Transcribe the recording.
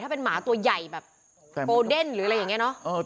ถ้าเป็นหมาตัวใหญ่แบบโกเดนหรืออะไรอย่างนี้เนอะ